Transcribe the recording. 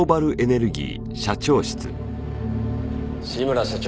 志村社長